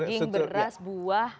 jaging beras buah